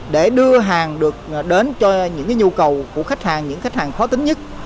để đưa hàng được đến cho những nhu cầu của khách hàng những khách hàng khó tính nhất